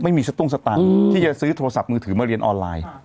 ไม่มีสักตรงสักต่างที่จะซื้อโทรศัพท์มือถือมาเรียนออนไลน์